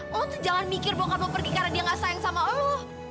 lo tuh jangan mikir bokap lo pergi karena dia gak sayang sama lo